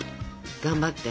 頑張って。